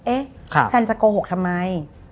เอ๊ะฉันจะโกหกทำไม